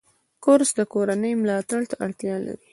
کورس د کورنۍ ملاتړ ته اړتیا لري.